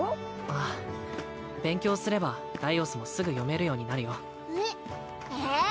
ああ勉強すればライオスもすぐ読めるようになるよえっえ？